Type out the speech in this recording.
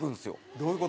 どういう事？